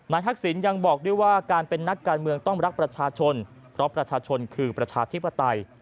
ทักษิณยังบอกด้วยว่าการเป็นนักการเมืองต้องรักประชาชนเพราะประชาชนคือประชาธิปไตย